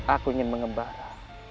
aku ingin mengembara